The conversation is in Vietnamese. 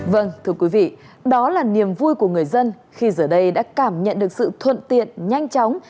vâng thưa quý vị đó là niềm vui của người dân khi giờ đây đã cảm nhận được sự thuận tiện nhanh chóng